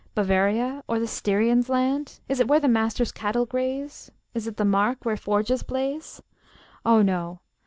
Bavaria, or the Styrian's land? Is it where the Master's cattle graze? Is it the Mark where forges blaze? Oh no!